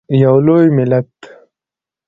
یو لوی ملت.